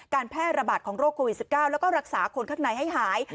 แพร่ระบาดของโรคโควิด๑๙แล้วก็รักษาคนข้างในให้หาย